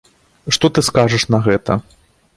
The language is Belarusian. Што ты скажаш на гэта?